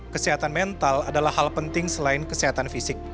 kesehatan mental adalah hal penting selain kesehatan fisik